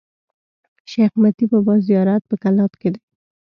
شېخ متي بابا زیارت په کلات کښي دﺉ.